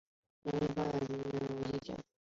发言人坚称此对工作无影响。